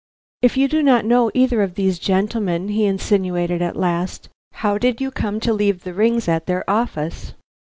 "If you do not know either of these gentlemen," he insinuated at last, "how did you come to leave the rings at their office?"